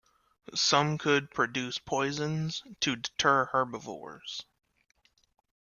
Some could produce poisons, to deter herbivores.